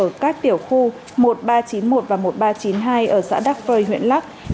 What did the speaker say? ở các tiểu khu một nghìn ba trăm chín mươi một và một nghìn ba trăm chín mươi hai ở xã đắc phơi huyện lắc